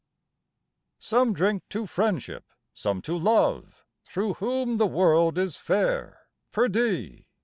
Some drink to Friendship, some to Love, Through whom the world is fair, perdie!